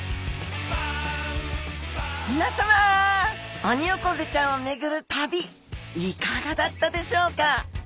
皆さまオニオコゼちゃんを巡る旅いかがだったでしょうか？